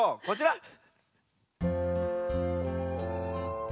こちら。